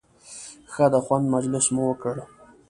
ښه د خوند مجلس مو وکړ.